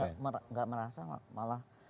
saya enggak merasa malah